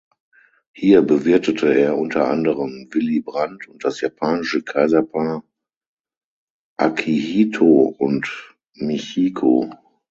Hier bewirtete er unter anderem Willy Brandt und das japanische Kaiserpaar Akihito und Michiko.